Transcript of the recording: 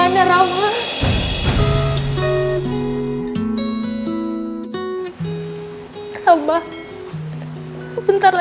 sampai navegasi kehulung anda